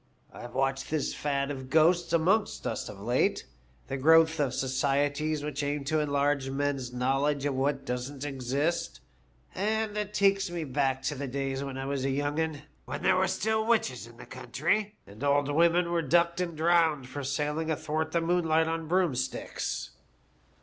I've watched this fad of ghosts amongst us of late ; the growth of societies which aim to enlarge men's knowledge of what doesn't exist ; and it takes me back to the days when I was a young 'un, when there were still witches in the country, and old women were ducked and drowned for sailing athwart the moonlight on broomsticks.